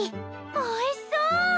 おいしそう！